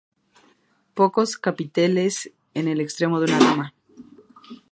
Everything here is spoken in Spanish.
Pocos capiteles en el extremo de una rama.